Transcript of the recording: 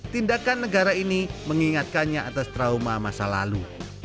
tindakan negara ini mengingatkannya atas trauma masa lalu